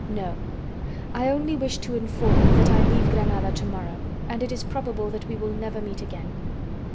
"No, I only wish to inform you that I leave Granada to morrow, and it is probable that we will never meet again."